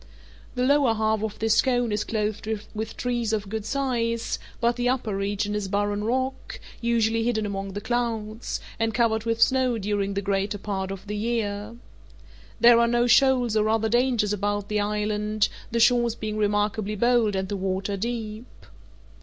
The lower half of this cone is clothed with trees of good size, but the upper region is barren rock, usually hidden among the clouds, and covered with snow during the greater part of the year. There are no shoals or other dangers about the island, the shores being remarkably bold and the water deep.